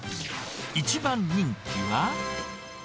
一番人気は？